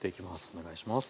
お願いします。